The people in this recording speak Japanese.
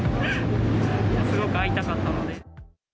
すごく会いたかったので。